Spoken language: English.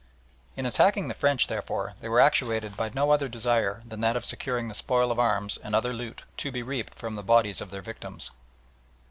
In attacking the French, therefore, they were actuated by no other desire than that of securing the spoil of arms and other loot to be reaped from the bodies of their victims.